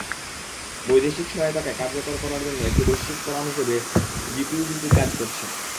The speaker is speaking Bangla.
বৈদেশিক সহায়তাকে কার্যকর করার জন্য একটি বৈশ্বিক ফোরাম হিসেবে জিপিইডিসি কাজ করছে।